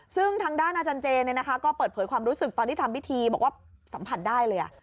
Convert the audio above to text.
ซึ่งทางด้านอาจารย์เจก็เปิดเผยความรู้สึกตอนที่ทำพิธีบอกว่าสัมผัสได้เลย